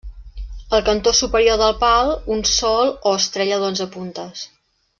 Al cantó superior del pal un sol o estrella d'onze puntes.